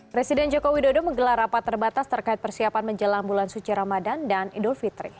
presiden joko widodo menggelar rapat terbatas terkait persiapan menjelang bulan suci ramadan dan idul fitri